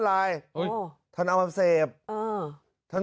อื้อท่านเอามาอ่อเขิน